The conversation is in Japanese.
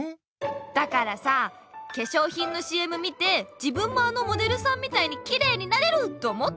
だからさけしょうひんのＣＭ見て自分もあのモデルさんみたいにきれいになれると思ってるんだよ。